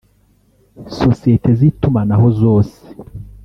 sosiyete z’itumanaho zose